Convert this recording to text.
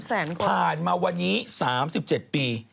แสนกว่าพาลมาวันนี้๓๗ปี